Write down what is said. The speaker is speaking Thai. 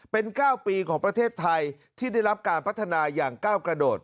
เป็น๙ปีของประเทศไทยที่ได้รับการพัฒนาอย่างก้าวกระโดด